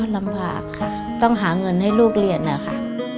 ลำบากค่ะต้องหาเงินให้ลูกเรียนนะคะ